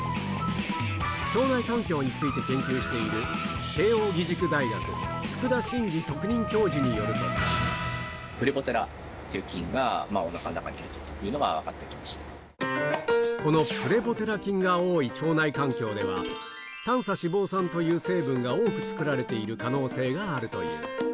腸内環境について研究している慶應義塾大学、福田真嗣特任教授にプレボテラ菌がおなかの中にこのプレボテラ菌が多い腸内環境では、短鎖脂肪酸という成分が多く作られている可能性があるという。